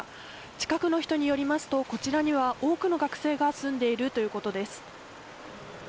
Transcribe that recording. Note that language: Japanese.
近くの人によりますとこちらには多くの学生が住んでいるということです。